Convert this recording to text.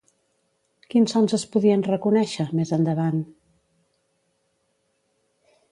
Quins sons es podien reconèixer, més endavant?